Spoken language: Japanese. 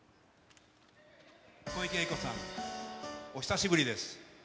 小池栄子さん、お久しぶりです。